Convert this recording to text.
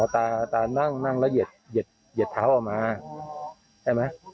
ตานั่งแล้วเหยียดเท้าออกมาใช่ไหม